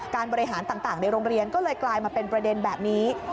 การบริหารต่างในโรงเรียนก็เลยกลายมาเป็นประเด็นแบบนี้